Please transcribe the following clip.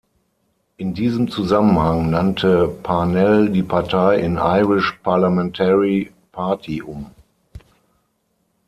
In diesem Zusammenhang nannte Parnell die Partei in Irish Parliamentary Party um.